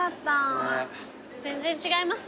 全然違いますね